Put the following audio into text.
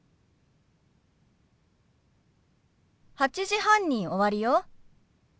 ８時半に終わるよ。